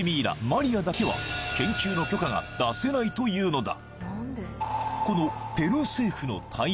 マリアだけは研究の許可が出せないというのだ